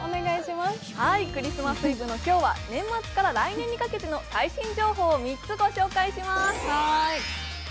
クリスマスイブの今日は年末から来年にかけての最新情報を３つご紹介します。